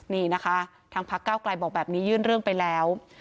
นี่นะคะทางพักเก้าไกลบอกแบบนี้ยื่นเรื่องไปแล้ว